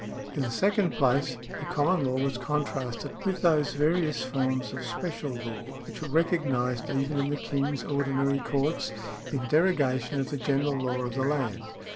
In the second place the common law was contrasted with those various forms of special law which were recognised even in the King's ordinary courts in derogation of the general law of the land.